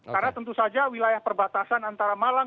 karena tentu saja wilayah perbatasan antara malang